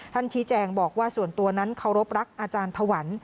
ชี้แจงบอกว่าส่วนตัวนั้นเคารพรักอาจารย์ถวัน